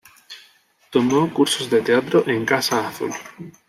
Tomó cursos de teatro en Casa Azul.